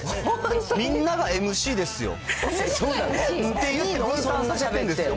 みんながＭＣですよ。